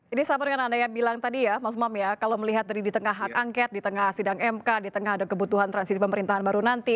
ini sama dengan anda yang bilang tadi ya mas umam ya kalau melihat dari di tengah hak angket di tengah sidang mk di tengah ada kebutuhan transisi pemerintahan baru nanti